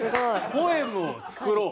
ポエムを作ろう。